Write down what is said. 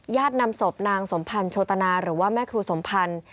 นำศพนางสมพันธ์โชตนาหรือว่าแม่ครูสมพันธ์